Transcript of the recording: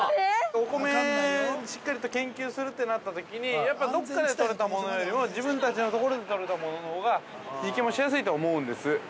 ◆お米、しっかりと研究するってなったときに、やっぱりどこかで取れたものよりも、自分たちのところで取れたもののほうが、研究もしやすいと思うんです。